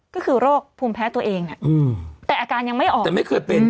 ก็คือโรคภูมิแพ้ตัวเองแต่อาการยังไม่ออกแต่ไม่เคยเป็น